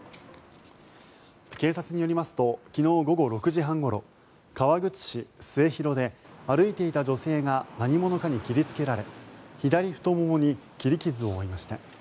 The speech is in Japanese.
警察によりますと昨日午後６時半ごろ川口市末広で歩いていた女性が何者かに切りつけられ左太ももに切り傷を負いました。